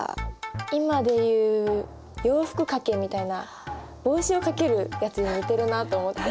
今でいう洋服掛けみたいな帽子を掛けるやつに似てるなと思って。